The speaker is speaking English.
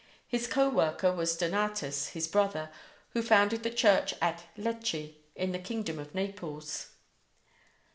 His co worker was Donatus, his brother, who founded the church at Lecce in the Kingdom of Naples.